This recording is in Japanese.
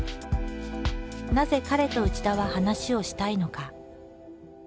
なぜ彼と内田は話をしたいのか？